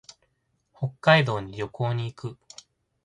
北海道に旅行に行く。